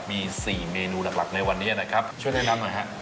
มี๔เมนูหลักในวันนี้นะครับช่วยแนะนำหน่อยฮะ